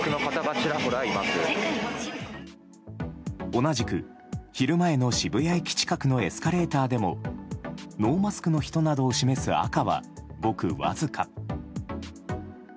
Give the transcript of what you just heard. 同じく昼前の渋谷駅近くのエスカレーターでもノーマスクの人などを示す赤はごくわずか。